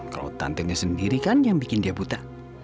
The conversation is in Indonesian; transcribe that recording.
kalau tantenya sendiri kan yang bikin dia buta